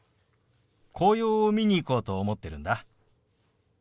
紅葉を見に行こうと思ってるんだ。